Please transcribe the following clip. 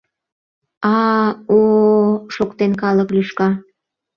— А-а, о-о-о! — шоктен, калык лӱшка.